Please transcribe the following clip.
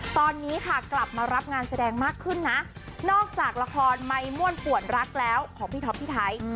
ตอนนี้ค่ะกลับมารับงานแสดงมากขึ้นนะนอกจากละครไมคม่วนปวดรักแล้วของพี่ท็อปพี่ไทย